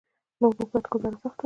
له اوبو پرته ګذاره سخته ده.